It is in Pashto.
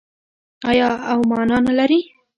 آیا او مانا نلري؟